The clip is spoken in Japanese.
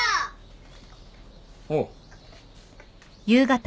おう。